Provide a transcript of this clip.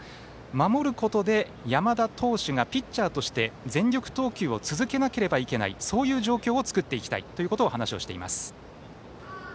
守ることで山田投手がピッチャーとして全力投球を続けなければいけないそういう状況を作っていきたいということを話をしています。